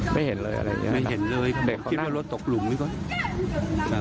ไม่เห็นเลยอะไรอย่างนี้ไม่เห็นเลยเด็กคิดว่ารถตกหลุมหรือเปล่า